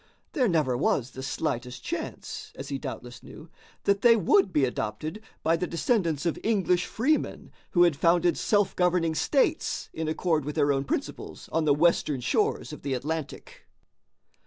There never was the slightest chance, as he doubtless knew, that they would be adopted by the descendants of English freemen who had founded self governing states in accord with their own principles on the western shores of the Atlantic.